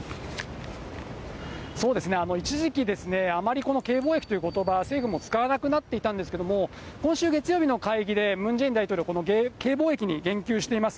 そうですね、一時期、あまりこのＫ防疫ということば、政府でも使わなくなっていたんですけど、今週月曜日の会議で、ムン・ジェイン大統領、このＫ防疫に言及しています。